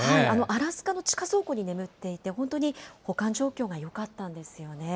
アラスカの地下倉庫に眠っていて、本当に保管状況がよかったんですよね。